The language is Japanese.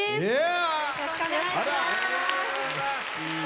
よろしくお願いします。